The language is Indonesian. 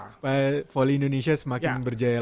supaya voli indonesia semakin berjaya lagi